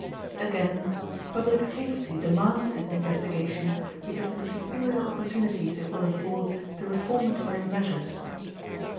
Again: Public safety demands this investigation because of the superior opportunities it will afford to reformatory measures.